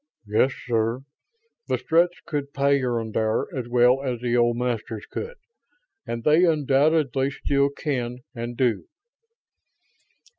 "Yes, sir. The Stretts could peyondire as well as the old Masters could, and they undoubtedly still can and do."